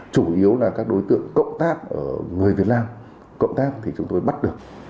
chủ yếu là các đối tượng cộng tác ở người việt nam cộng tác thì chúng tôi bắt được